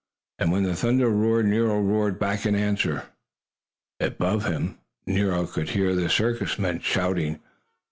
When the thunder roared Nero roared back in answer. Up above him Nero could hear the circus men shouting.